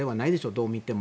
どう見ても。